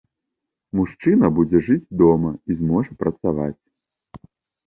Мужчына будзе жыць дома і зможа працаваць.